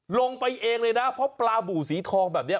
ลงไปเองเลยนะเพราะปลาบูสีทองแบบนี้